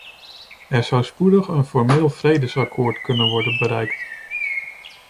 Er zou spoedig een formeel vredesakkoord kunnen worden bereikt.